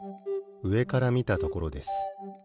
うえからみたところです。